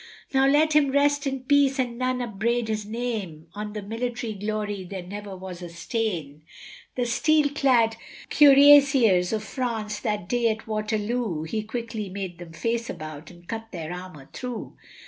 Now let him rest in peace, and none upbraid his name, On his military glory there never was a stain, The steel clad Cuirasiers of France that day at Waterloo, He quickly made them face about and cut their armour through.